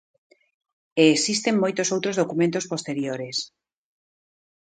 E existen moitos outros documentos posteriores.